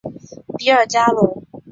比尔加龙。